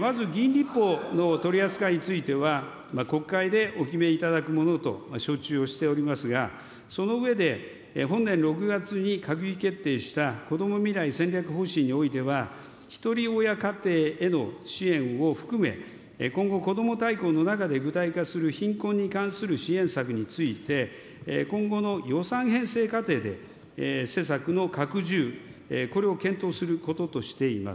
まず、議員立法の取り扱いについては、国会でお決めいただくものと承知をしておりますが、その上で、本年６月に閣議決定したこども未来戦略方針においては、ひとり親家庭への支援を含め、今後、こども大綱の中で具体化する貧困に関する支援策について、今後の予算編成過程で、施策の拡充、これを検討することとしています。